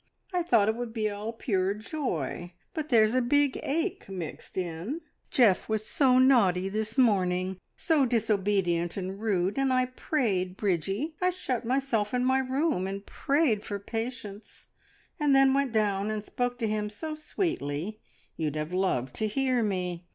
I thought it would be all pure joy, but there's a big ache mixed in "Geoff was so naughty this morning, so disobedient and rude, and I prayed, Bridgie I shut myself in my room and prayed for patience, and then went down and spoke to him so sweetly. You'd have loved to hear me.